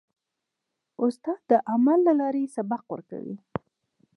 استاد د عمل له لارې سبق ورکوي.